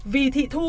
vì thị thu